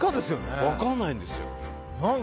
分かんないんですよ。